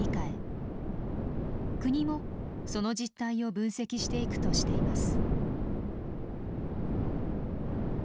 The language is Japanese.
国もその実態を分析していくとしています。